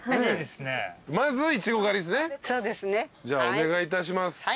じゃあお願いいたします。